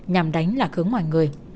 nhằm đánh lạc hướng mọi người